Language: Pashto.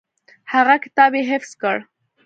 هغه کتاب یې حفظ کړ.